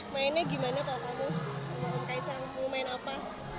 mainnya gimana kalau kamu kaisang mau main apa